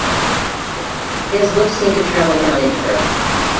His look seemed to travel down into her.